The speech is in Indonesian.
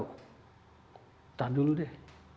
kita dulu deh